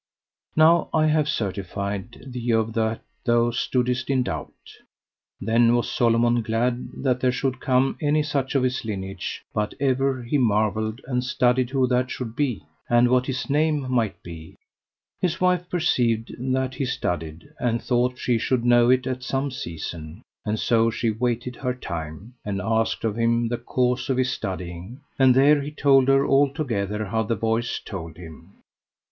Now have I certified thee of that thou stoodest in doubt. Then was Solomon glad that there should come any such of his lineage; but ever he marvelled and studied who that should be, and what his name might be. His wife perceived that he studied, and thought she would know it at some season; and so she waited her time, and asked of him the cause of his studying, and there he told her altogether how the voice told him.